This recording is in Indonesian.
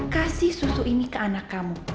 kasih susu ini ke anak kamu